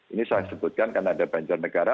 ini saya sebutkan karena ada banjarnegara